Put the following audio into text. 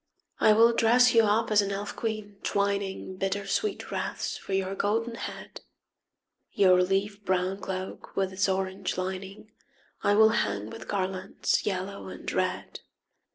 I will dress you up as an elf queen, twining Bittersweet wreaths for your golden head. Your leaf brown cloak with its orange lining I will hang with garlands yellow and red.